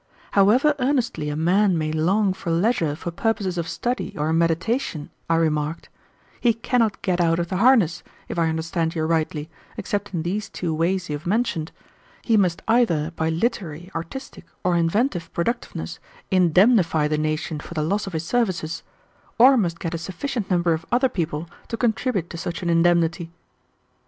"However earnestly a man may long for leisure for purposes of study or meditation," I remarked, "he cannot get out of the harness, if I understand you rightly, except in these two ways you have mentioned. He must either by literary, artistic, or inventive productiveness indemnify the nation for the loss of his services, or must get a sufficient number of other people to contribute to such an indemnity."